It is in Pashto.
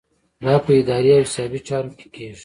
دا په اداري او حسابي چارو کې کیږي.